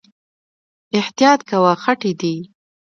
احتياط کوه، خټې دي